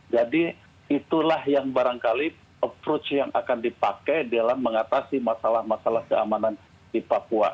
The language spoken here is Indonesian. jadi itulah yang barangkali approach yang akan dipakai dalam mengatasi masalah masalah keamanan di papua